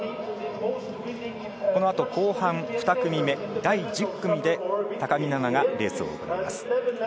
このあと後半、２組目、第１０組で高木菜那がレースを行います。